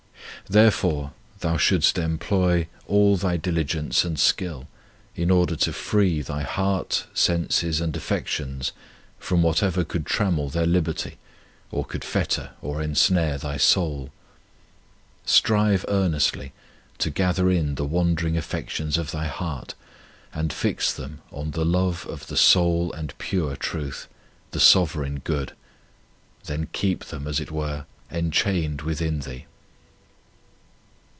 Wherefore thou shouldst employ 1 This is especially true for religious. 34 Purity of Heart all thy diligence and skill in order to free thy heart, senses, and affections from whatever could trammel their liberty, or could fetter or ensnare thy soul. Strive earnestly to gather in the wander ing affections of thy heart and fix them on the love of the sole and pure Truth, the Sovereign Good; then keep them, as it were, en chained within thee.